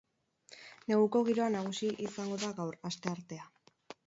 Neguko giroa nagusi izango da gaur, asteartea.